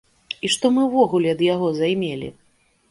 І што мы ўвогуле ад яго займелі?